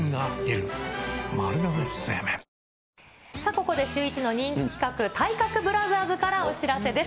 ここでシューイチの人気企画、体格ブラザーズからお知らせです。